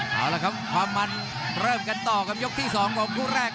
เอาละครับความมันเริ่มกันต่อกับยกที่๒ของคู่แรก